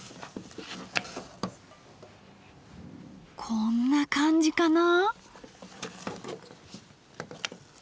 こんな感じかな？